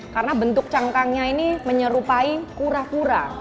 karena bentuk cangkangnya ini menyerupai kura kura